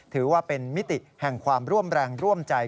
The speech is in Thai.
ถือว่าเป็นมิติแห่งความร่วมแรงร่วมใจ